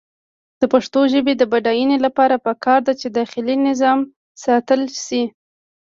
د پښتو ژبې د بډاینې لپاره پکار ده چې داخلي نظام ساتل شي.